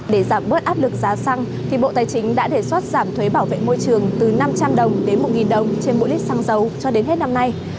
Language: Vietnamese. để giảm bớt áp lực giá xăng thì bộ tài chính đã đề xuất giảm thuế bảo vệ môi trường từ năm trăm linh đồng đến một đồng trên mỗi lít xăng dầu cho đến hết năm nay